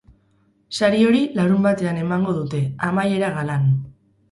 Sari hori larunbatean emango dute, amaiera galan.